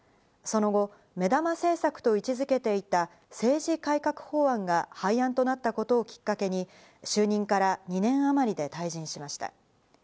その後、目玉政策と位置付けていた政治改革法案が廃案となったことをきっかけに就任から２年あまりで退陣しました。